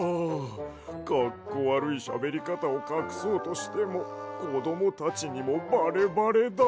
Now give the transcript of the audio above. かっこわるいしゃべりかたをかくそうとしてもこどもたちにもバレバレだわ。